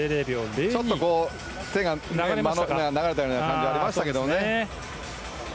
ちょっと手が流れたような感じがありましたけどね。